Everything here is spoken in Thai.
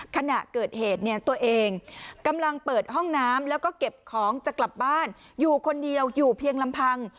ขณะเกิดเหตุเนี่ยตัวเองกำลังเปิดห้องน้ำแล้วก็เก็บของจะกลับบ้านอยู่คนเดียวอยู่เพียงลำพัง